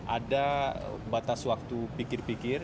ada batas waktu pikir pikir